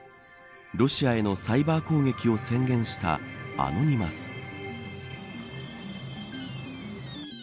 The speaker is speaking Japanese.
ロシアへのサイバー攻撃を宣言したアノニマス。